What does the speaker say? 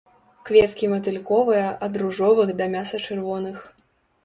Кветкі матыльковыя, ад ружовых да мяса-чырвоных.